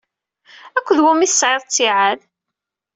Akked wumi i tesɛiḍ ttiɛad?